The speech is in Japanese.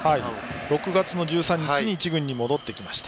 ６月の１３日に１軍に戻ってきました。